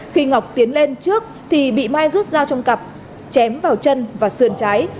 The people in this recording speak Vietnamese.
khi ngọc tiến lên trước thì bị mai rút dao trong cặp chém vào chân và sườn trái